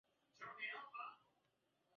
Kinaga ubaga bila kusita.